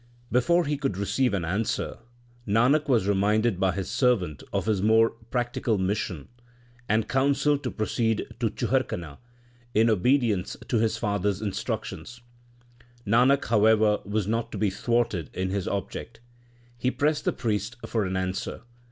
Before he could receive an answer, Nanak was reminded by his servant of his more practical mission, and counselled to proceed to Chuharkana in obedience to his father s instructions. Nanak, however, was not to be thwarted in his object. He pressed the priest for an answer.